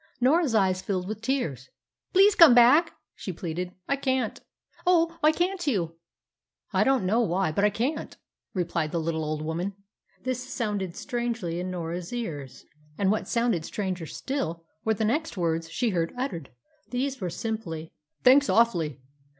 Norah's eyes filled with tears. "Please come back!" she pleaded. "I can't." "Oh, why can't you?" "I don't know why, but I can't," replied the little old woman. This sounded strangely in Norah's ears, and what sounded stranger still were the next words she heard uttered; these were simply "Thanks, awfully!"